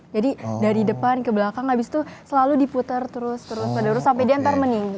jadi dari depan ke belakang habis itu selalu diputer terus terus terus sampai dia ntar meninggi